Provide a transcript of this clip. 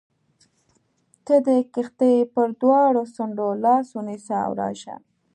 ته د کښتۍ پر دواړو څنډو لاس ونیسه او راشه.